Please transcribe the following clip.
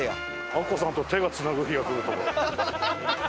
アッコさんと手繋ぐ日が来るとは。